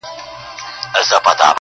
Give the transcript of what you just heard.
ورځم د خپل نړانده کوره ستا پوړونی راوړم.